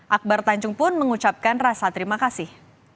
akbar tanjung pun mengucapkan rasa terima kasih